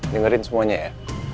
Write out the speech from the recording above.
dengerin semuanya ya